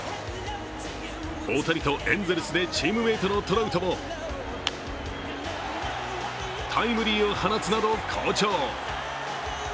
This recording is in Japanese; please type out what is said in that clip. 大谷とエンゼルスでチームメイトのトラウトもタイムリーを放つなど、好調。